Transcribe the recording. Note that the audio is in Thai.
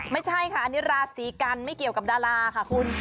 ไม่ใช่ค่ะอันนี้ราศีกันไม่เกี่ยวกับดาราค่ะคุณ